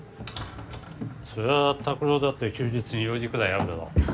そりゃ拓郎だって休日に用事くらいあるだろ。